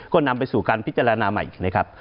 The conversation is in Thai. ก็นำไปสู่การพิจารณาใหม่อีกนะครับ